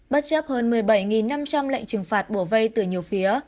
bất chấp hơn một mươi bảy năm trăm linh lệnh trừng phạt bổ vây từ nhiều phía